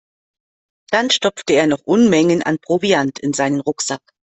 Dann stopfte er noch Unmengen an Proviant in seinen Rucksack.